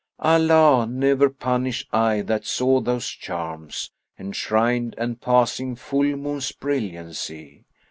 Allah ne'er punish eye that saw those charms * Enshrined, and passing full moon's brilliancy!